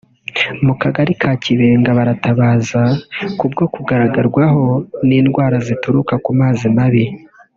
mu Kagari ka Kibenga baratabaza k’ubwo kugaragarwaho n’indwara zituruka ku mazi mabi